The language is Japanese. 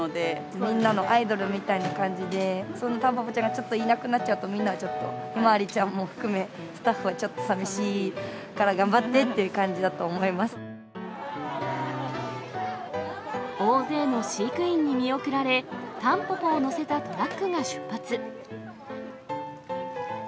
みんなのアイドルみたいな感じで、そのタンポポちゃんがいなくなっちゃうと、みんなはちょっと、ヒマワリちゃんも含め、スタッフはちょっとさみしいから頑張ってっていう感じだと思いま大勢の飼育員に見送られ、タンポポを乗せたトラックが出発。